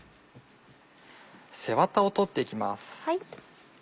背ワタを取って行きます。